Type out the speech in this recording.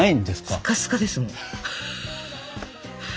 スカスカですもう。